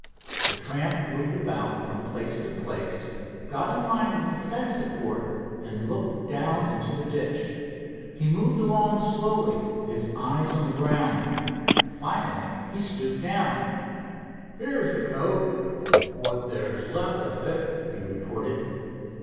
The tramp moved about from place to place, got in line with the fence support, and looked down into the ditch. He moved along slowly, his eyes on the ground. Finally he stooped down. "Here's the coat what there's left of it," he reported.